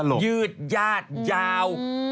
มันยืดยาดยาว